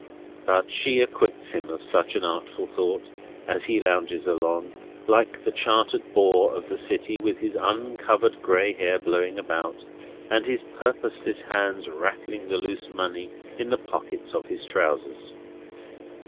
But she acquits him of such an artful thought, as he lounges along, like the chartered bore of the city, with his uncovered gray hair blowing about, and his purposeless hands rattling the loose money in the pockets of his trousers.